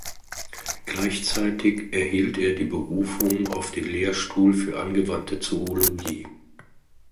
Gleichzeitig erhielt er die Berufung auf den Lehrstuhl für Angewandte Zoologie.